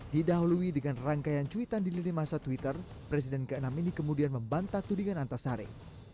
didahului dengan rangkaian cuitan di lini masa twitter presiden ke enam ini kemudian membantah tudingan antasari